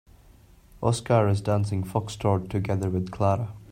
Oscar is dancing foxtrot together with Clara.